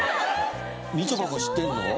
みちょぱが知ってるの？